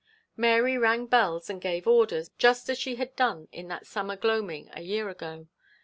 Mary rang bells and gave orders, just as she had done in that summer gloaming a year ago.